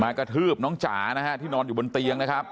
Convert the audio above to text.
กระทืบน้องจ๋านะฮะที่นอนอยู่บนเตียงนะครับ